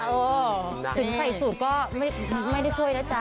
ถึงไขสุดก็ไม่ได้ช่วยแล้วจ้า